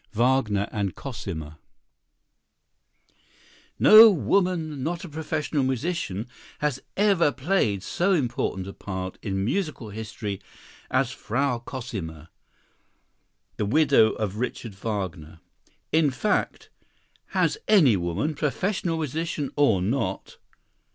Wagner and Cosima No woman not a professional musician has ever played so important a part in musical history as "Frau Cosima," the widow of Richard Wagner. In fact, has any woman, professional musician or not?